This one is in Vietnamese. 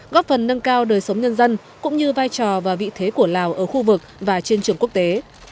góp phần nâng cao đời sống nhân dân cũng như vai trò và vị thế của lào ở khu vực và trên trường quốc tế